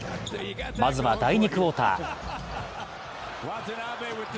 まずは第２クオーター。